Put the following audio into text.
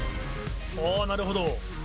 あなるほど。